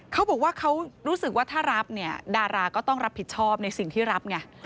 เขาบอกว่าเขารู้สึกว่าถ้ารับเนี่ยดาราก็ต้องรับผิดชอบในสิ่งที่รับไง